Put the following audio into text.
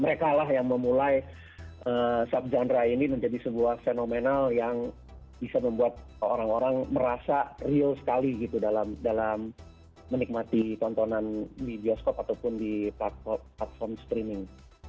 mereka lah yang memulai subgendra ini menjadi sebuah fenomenal yang bisa membuat orang orang merasa real sekali gitu dalam menikmati tontonan di bioskop ataupun di platform streaming